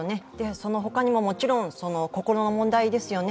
その他にももちろん心の問題ですよね。